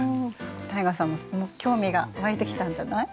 汰雅さんも興味が湧いてきたんじゃない？